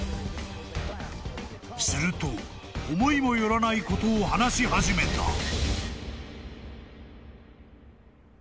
［すると思いも寄らないことを話し始めた］